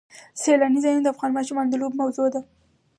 سیلانی ځایونه د افغان ماشومانو د لوبو موضوع ده.